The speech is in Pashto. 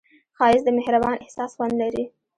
ښایست د مهربان احساس خوند لري